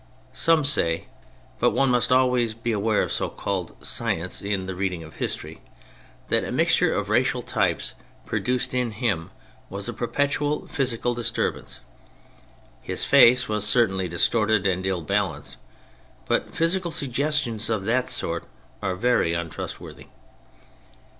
Some say (but one must always beware of so called " Science " in the reading of history) that a mixture of racial types produced in him a perpetual physical disturbance : his face was certainly distorted and ill balanced — but physical suggestions of that sort are very untrustworthy.